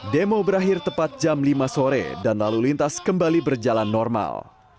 demo berakhir tepat jam lima sore dan lalu lintas kembali berjalan normal